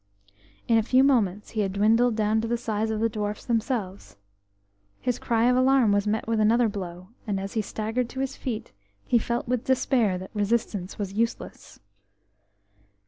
In a few moments he had dwindled down to the size of the dwarfs themselves. His cry of alarm was met with another blow, and as he staggered to his feet he felt with despair that resistance was useless.